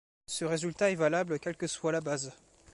Ce résultat est valable quelle que soit la base.